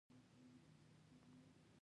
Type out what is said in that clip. عرضه کوونکي د وخت پابندي مهم ګڼي.